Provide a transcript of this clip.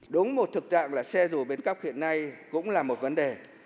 đúng một thực trạng là xe rùa bến cóc hiện nay cũng là một vấn đề